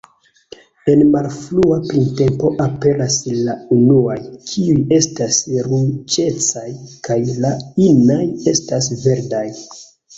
En malfrua printempo aperas la unuaj; kiuj estas ruĝecaj kaj la inaj estas verdaj.